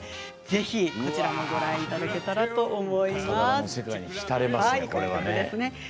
ぜひこちらもご覧いただけたらと思います。